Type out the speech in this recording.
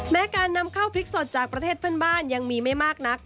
การนำเข้าพริกสดจากประเทศเพื่อนบ้านยังมีไม่มากนัก